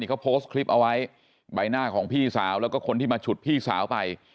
เขาโพสต์คลิปเอาไว้ใบหน้าของพี่สาวแล้วก็คนที่มาฉุดพี่สาวไป